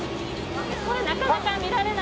これなかなか見られないので。